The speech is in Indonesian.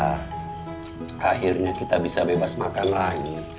alhamdulillah akhirnya kita bisa bebas makan lagi